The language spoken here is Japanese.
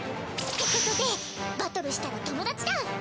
てことでバトルしたら友達だ！